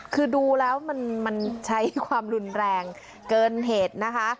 คือดูแล้วมันใช้ความรุนแรงเกินเหตุนะคะ